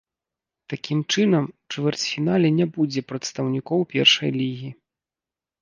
Такім чынам, у чвэрцьфінале не будзе прадстаўнікоў першай лігі.